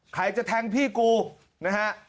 ใครจะแทงพี่กูนะฮะ